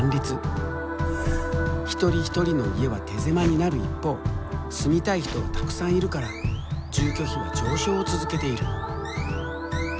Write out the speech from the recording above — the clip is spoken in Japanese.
一人一人の家は手狭になる一方住みたい人はたくさんいるから住居費は上昇を続けている。